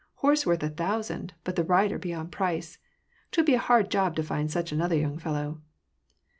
Horse worth a thousand, but the rider beyond price ! 'Twould be a hard job to find such another young fellow."